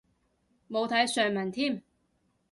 冇睇上文添